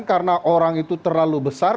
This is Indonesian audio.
karena orang itu terlalu besar